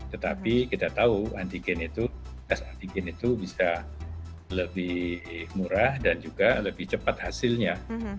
tetapi kita tahu tes antigen itu bisa lebih murah dan juga lebih cepat hasilnya